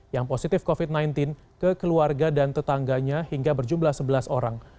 yang positif covid sembilan belas ke keluarga dan tetangganya hingga berjumlah sebelas orang